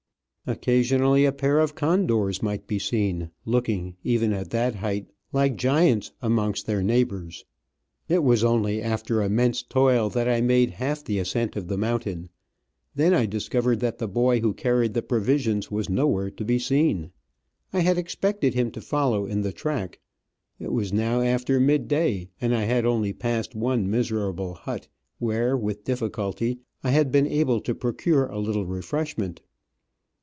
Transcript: Occasionally a pair of condors might be seen, looking, even at that height, like giants amongst their neighbours. It was only after immense toil that I made half the ascent of the mountain ; then Digitized by VjOOQIC 144 Travels and Adventures I discovered that the boy who carried the provisions was nowhere to be seen. I had expected him to follow in the track ; it was now after mid day, and I had only passed one miserable hut, where, with difficulty, I had been able to procure a little refreshment.